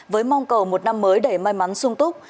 với mong cầu một năm mới đầy may mắn sung túc